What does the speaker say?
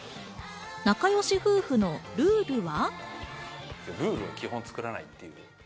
仲よし夫婦のルールは。